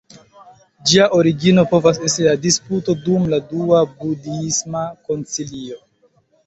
Ĝia origino povas esti la disputo dum la Dua Budhisma Koncilio.